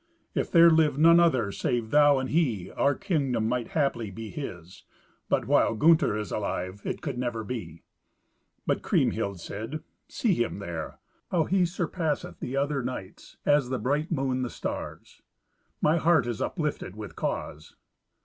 If there lived none other save thou and he, our kingdom might haply be his, but while Gunther is alive it could never be." But Kriemhild said, "See him there. How he surpasseth the other knights, as the bright moon the stars! My heart is uplifted with cause."